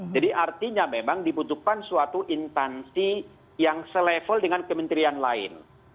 jadi artinya memang dibutuhkan suatu intansi yang se level dengan kementerian lain